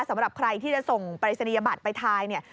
สำหรับใครที่จะส่งปรายศนียบัตรไปไทย